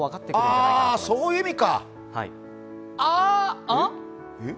あー、そういう意味か。